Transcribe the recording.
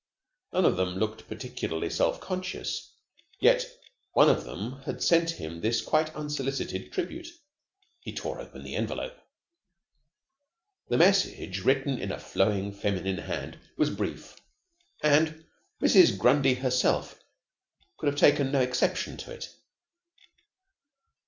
None of them looked particularly self conscious, yet one of them had sent him this quite unsolicited tribute. He tore open the envelope. The message, written in a flowing feminine hand, was brief, and Mrs. Grundy herself could have taken no exception to it.